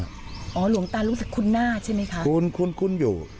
หลวงตารู้สึกคุ้นหน้าใช่ไหมคะคุ้นคุ้นอยู่